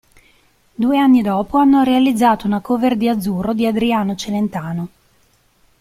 Due anni dopo hanno realizzato una cover di "Azzurro" di Adriano Celentano.